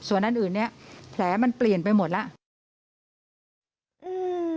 ส่วนอันอื่นเนี้ยแผลมันเปลี่ยนไปหมดแล้วอืม